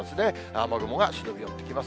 雨雲が忍び寄ってきます。